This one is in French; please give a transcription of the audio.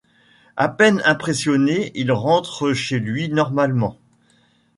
À peine impressionné il rentre chez lui normalement.